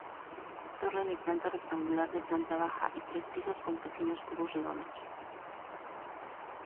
Torre de planta rectangular de planta baja y tres pisos con pequeños cubos redondos.